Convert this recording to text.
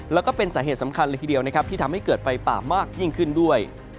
แล้วก็เป็นสาเหตุสำคัญเลยทีเดียวนะครับที่ทำให้เกิดไฟป่ามากยิ่งขึ้นด้วย